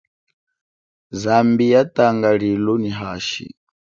Zambi yatanga lilo nyi hashi.